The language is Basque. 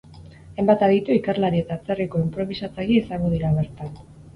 Hainbat aditu, ikerlari eta atzerriko inprobisatzaile izango dira bertan.